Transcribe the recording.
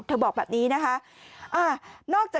กินให้ดูเลยค่ะว่ามันปลอดภัย